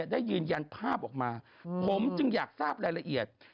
ได้ยืนยันภาพออกมาผมจึงอยากทราบรายละเอียด